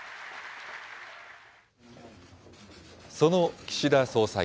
その岸田総裁。